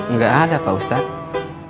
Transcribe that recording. nggak ada pak ustadz